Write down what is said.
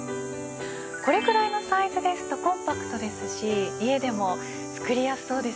これくらいのサイズですとコンパクトですし家でも作りやすそうですよね。